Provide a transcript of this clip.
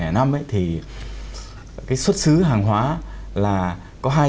dạng thứ nhất là xuất xứ hàng hóa là xuất xứ hàng hóa là xuất xứ hàng hóa